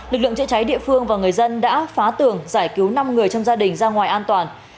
lực lượng chữa cháy địa phương và người dân đã phá tường giải cứu năm người trong gia đình ra ngoài an toàn